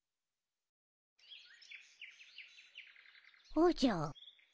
おじゃ。